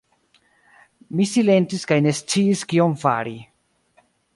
Mi silentis kaj ne sciis kion fari.